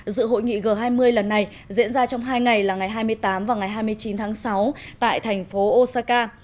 dự hội nghị g hai mươi lần này diễn ra trong hai ngày là ngày hai mươi tám và ngày hai mươi chín tháng sáu tại thành phố osaka